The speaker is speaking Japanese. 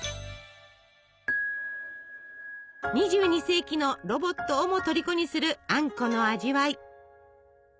２２世紀のロボットをもとりこにするあんこの味わい。